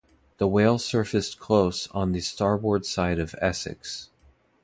The whale surfaced close on the starboard side of "Essex".